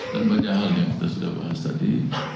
dan banyak hal yang sudah kita bahas tadi